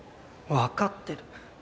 分かってる。